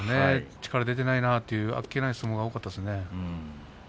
力が出ていないなというあっけない相撲も多かったですね。